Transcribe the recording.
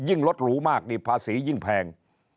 รถหรูมากนี่ภาษียิ่งแพง